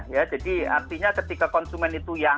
ya jadi artinya ketika konsumen itu yang